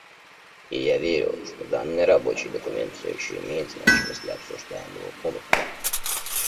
И я верю, что данный рабочий документ все еще имеет значимость для обсуждаемого пункта.